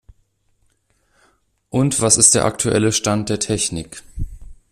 Und was ist der aktuelle Stand der Technik.